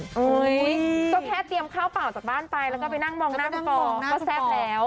เฮ้ยก็แค่เตรียมข้าวเปล่าจากบ้านไปแล้วก็ไปนั่งมองหน้าคุณปองก็แซ่บแล้ว